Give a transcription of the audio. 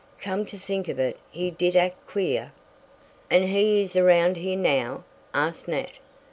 Come to think of it he did act queer!" "And he is around here now?" asked Nat.